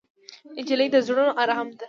نجلۍ د زړونو ارام ده.